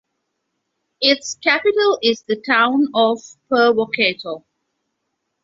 Its capital is the town of Purwokerto.